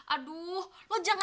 aduh lo jangan jadi kayak gila